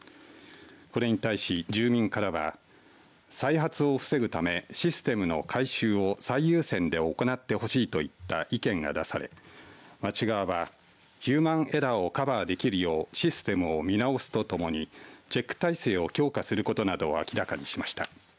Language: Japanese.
これに対し、住民からは再発を防ぐためシステムの改修を最優先で行ってほしいといった意見が出され町側はヒューマンエラーをカバーできるようシステムを見直すとともにチェック体制を強化することなどを明らかにしました。